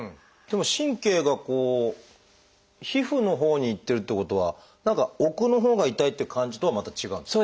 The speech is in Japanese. でも神経が皮膚のほうに行ってるってことは何か奥のほうが痛いっていう感じとはまた違う？